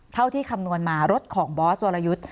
ที่คำนวณมารถของบอสวรยุทธ์